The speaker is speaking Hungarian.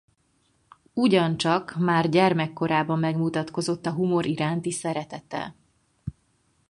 Ugyancsak már gyermekkorában megmutatkozott a humor iránti szeretete.